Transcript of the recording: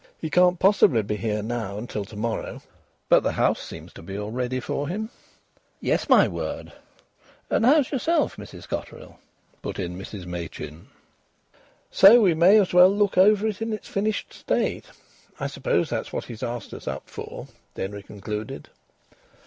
He can't possibly be here now till to morrow. But the house seems to be all ready for him...." "Yes, my word! And how's yourself, Mrs Cotterill?" put in Mrs Machin. "So we may as well look over it in its finished state. I suppose that's what he asked us up for," Denry concluded.